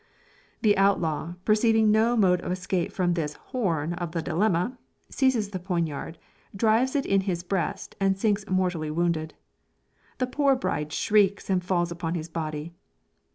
The outlaw perceiving no mode of escaping from this horn of the dilemma, seizes the poignard, drives it in his breast, and sinks mortally wounded. The poor bride shrieks, and falls upon his body.